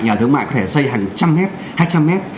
nhà ở thương mại có thể xây hàng trăm mét hai trăm mét